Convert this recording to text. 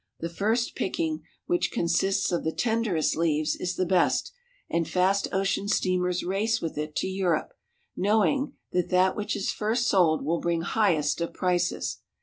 The first picking, which consists of the tenderest leaves, is the best, and fast ocean steamers race with it to Europe, knowing that that which is first sold will bring highest of prices.